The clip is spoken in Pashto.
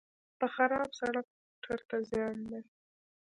په خراب سړک موټر ته زیان دی.